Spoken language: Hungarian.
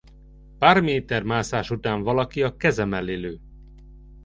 Pár méter mászás után valaki a keze mellé lő.